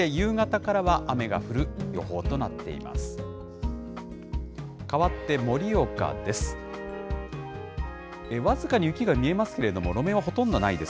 かわって盛岡です。